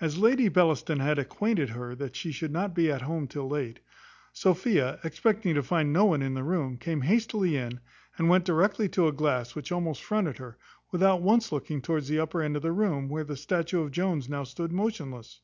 As Lady Bellaston had acquainted her that she should not be at home till late, Sophia, expecting to find no one in the room, came hastily in, and went directly to a glass which almost fronted her, without once looking towards the upper end of the room, where the statue of Jones now stood motionless.